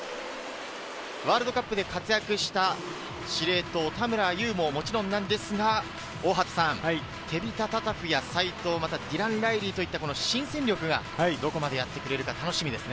ワールドカップで活躍した司令塔・田村優ももちろんなんですが、テビタ・タタフや齋藤、またディラン・ライリーといった新戦力がどこまでやってくれるか楽しみですね。